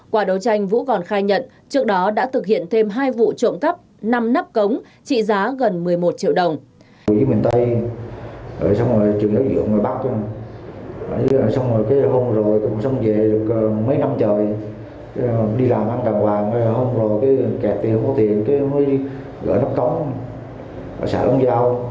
quả đấu tranh vũ còn khai nhận trước đó đã thực hiện thêm hai vụ trộm cắp năm nắp cống trị giá gần một mươi một triệu đồng